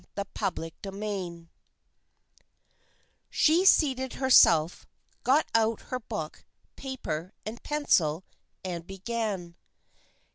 CHAPTER XXI HE seated herself, got out her book, paper and pencil, and began.